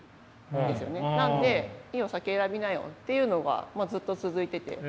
なんで「いいよ先選びなよ」っていうのがずっと続いてて。